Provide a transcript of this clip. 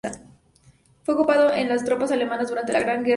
Fue ocupado en por las tropas alemanas durante la Gran Guerra Patria.